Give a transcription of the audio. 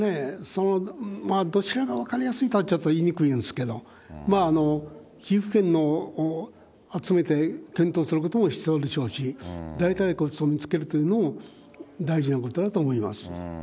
そのどちらが分かりやすいとはちょっと言いにくいんですけど、皮膚片を集めて検討することも必要でしょうし、大たい骨等を見つけるというのも、大事なことだと思います。